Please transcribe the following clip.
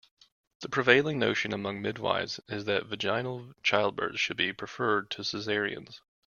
The prevailing notion among midwifes is that vaginal childbirths should be preferred to cesareans.